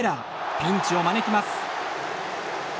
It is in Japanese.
ピンチを招きます。